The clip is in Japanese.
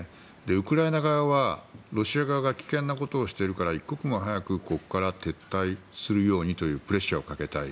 ウクライナ側は、ロシア側が危険なことをしているから一刻も早くここから撤退するようにというプレッシャーをかけたい。